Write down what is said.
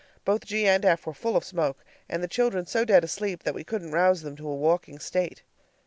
Both G and F were full of smoke, and the children so dead asleep that we couldn't rouse them to a walking state.